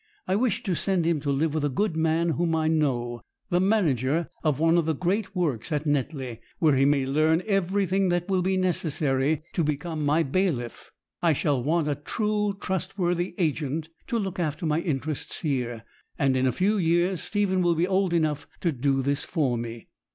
I wish to send him to live with a good man whom I know, the manager of one of the great works at Netley, where he may learn everything that will be necessary to become my bailiff. I shall want a true, trustworthy agent to look after my interests here, and in a few years Stephen will be old enough to do this for me.